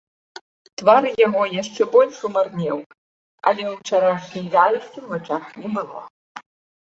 Твар яго яшчэ больш умарнеў, але ўчарашняй вяласці ў вачах не было.